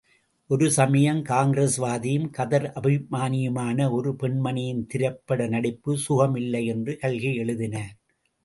ஒரு சமயம் காங்கிரஸ்வாதியும் கதர் அபிமானியுமான ஒரு பெண்மணியின் திரைப்பட நடிப்பு சுகமில்லை என்று கல்கி எழுதினார்.